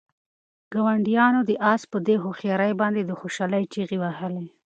ګاونډیانو د آس په دې هوښیارۍ باندې د خوشحالۍ چیغې وهلې.